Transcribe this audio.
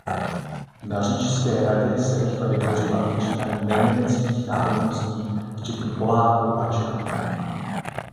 Na Říšské radě se rychle vytvořila většina neněmeckých národností včetně Poláků a Čechů.